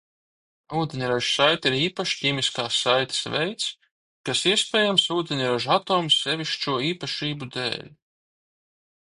Ūdeņraža saite ir īpašs ķīmiskās saites veids, kas iespējams ūdeņraža atoma sevišķo īpašību dēļ.